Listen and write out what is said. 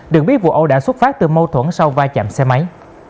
đừng biết vụ ẩu đã xuất phát từ mâu thuẫn sau vai chạm xe máy